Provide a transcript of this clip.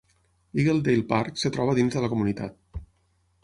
Eagledale Park es troba dins de la comunitat.